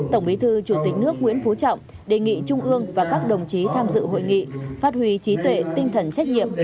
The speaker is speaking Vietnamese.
tổng bí thư chủ tịch nước nguyễn phú trọng đề nghị trung ương và các đồng chí tham dự hội nghị phát huy trí tuệ tinh thần trách nhiệm